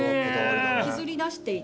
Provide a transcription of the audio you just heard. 削り出していて。